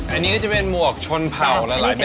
อันนี้ก็จะเป็นหมวกชนเผาหลายแบบนะครับผม